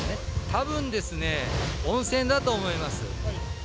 たぶんですね、温泉だと思います。